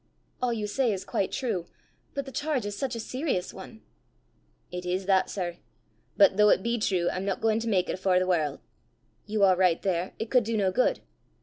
"All you say is quite true; but the charge is such a serious one!" "It is that, sir! But though it be true, I'm no gaein' to mak it afore the warl'." "You are right there: it could do no good."